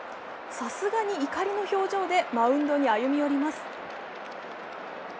さすがに怒りの表情でマウンドに歩み寄ります。